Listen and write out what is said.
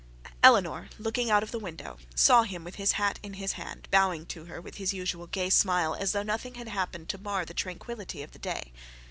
Eleanor, looking out of the window, saw him with his hat in his hand, bowing to her with his usual gay smile, as though nothing had happened to mar the tranquillity of the day.